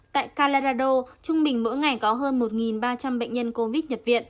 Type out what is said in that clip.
tại calarado trung bình mỗi ngày có hơn một ba trăm linh bệnh nhân covid nhập viện